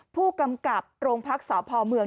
ผู้กำกับโรงพักษณ์สอบภอมเมือง